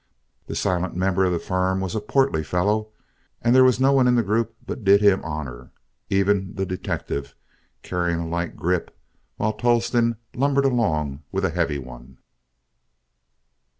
The silent member of the firm was a portly fellow, and there was no one in the group but did him honor, even the detective carrying a light grip, while Tolleston lumbered along with a heavy one.